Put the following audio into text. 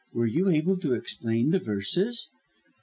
"Were you able to explain the verses?"